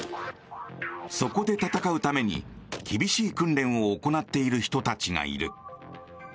そこで戦うために厳しい訓練を行っている人たちがいる。